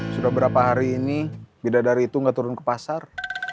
sudah berapa hari ini bidadari itu nggak turun ke pasar